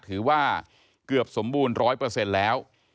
ถือว่าเกือบสมบูรณ์๑๐๐เปอร์เซ็นต์แล้ว